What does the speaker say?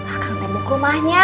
akan temuk rumahnya